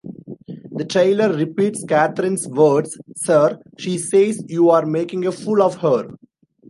The taylor repeats Katherine's words: Sir, she says you're making a fool of her.